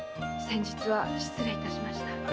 先日は失礼いたしました。